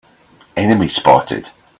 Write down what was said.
Enemy spotted!